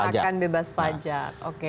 akan bebas pajak oke